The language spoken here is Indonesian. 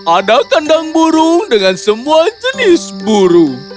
ada kandang burung dengan semua jenis burung